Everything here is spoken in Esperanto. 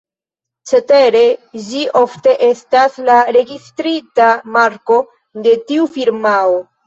Cetere, ĝi ofte estas la registrita marko de tiu firmao.